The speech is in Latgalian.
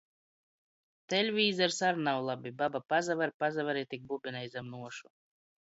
Teļvīzers ar nav labi — baba pasaver, pasaver i tik bubinej zam nuošu.